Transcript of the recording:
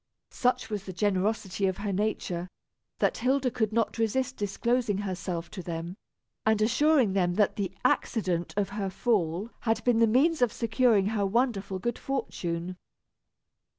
Such was the generosity of her nature, that Hilda could not resist disclosing her self to them, and assuring them that the accident of her fall had been the means of securing her wonderful good fortune.